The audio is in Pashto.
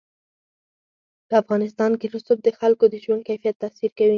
په افغانستان کې رسوب د خلکو د ژوند کیفیت تاثیر کوي.